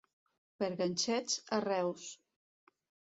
Per ganxets, a Reus.